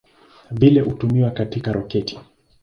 Vile hutumiwa katika roketi.